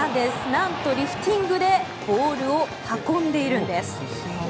なんとリフティングでボールを運んでいるんです。